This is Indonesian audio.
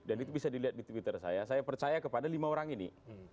dan itu bisa dilihat di twitter saya saya percaya kepada lima orang ini